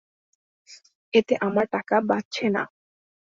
এতে আমাদের টাকা বাঁচছে না।